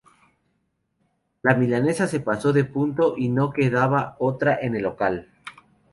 La milanesa se pasó de punto y no quedaba otra en el local.